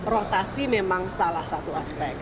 rotasi memang salah satu aspek